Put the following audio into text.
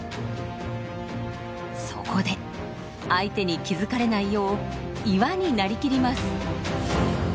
そこで相手に気付かれないよう「岩」になりきります。